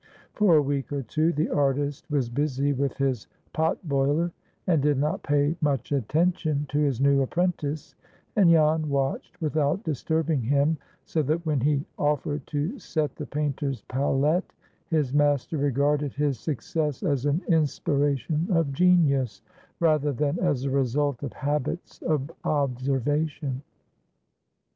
For a week or two, the artist was busy with his "pot boiler," and did not pay much attention to his new apprentice, and Jan watched without disturbing him; so that when he offered to set the painter's palette, his master regarded his success as an inspiration of genius, rather than as a result of habits of observation.